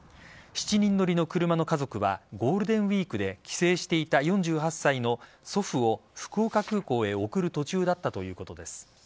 ７人乗りの車の家族はゴールデンウイークで帰省していた４８歳の祖父を福岡空港へ送る途中だったということです。